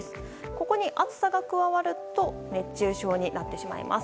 ここに暑さが加わると熱中症になってしまいます。